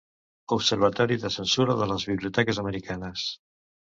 Observatori de censura de les biblioteques americanes.